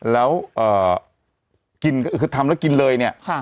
แล้วกินก็คือทำแล้วกินเลยเนี่ย